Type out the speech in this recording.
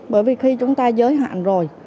bởi vì khi chúng ta giới hạn rồi